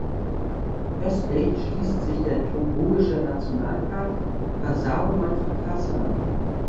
Östlich schließt sich der togoische Nationalpark Fazao-Malfakassa an.